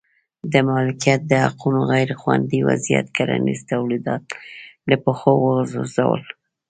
د مالکیت د حقونو غیر خوندي وضعیت کرنیز تولیدات له پښو وغورځول.